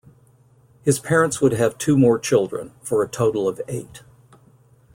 His parents would have two more children, for a total of eight.